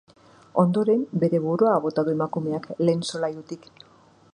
Ondoren, bere burua bota du emakumeak, lehen solairutik.